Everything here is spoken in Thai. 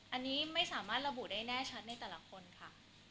อันนี้ไม่สามารถระบุได้แน่ชัดในแต่ละคนค่ะ